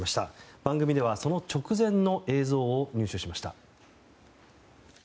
番組では、その直前の映像を入手しました。